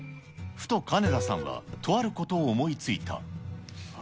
ふと、かねださんはとあることを思いついた。